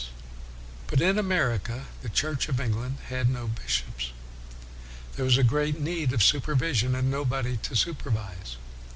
WESLEY 317 But in America the Church of England had no bishops. There was great need of supervision and nobody to supervise.